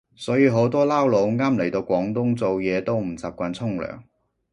所以好多撈佬啱嚟到廣東做嘢都唔習慣沖涼